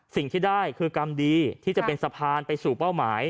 สิ่งที่ได้คือกรรมดีที่จะเป็นสะพานไปสู่เป้าหมาย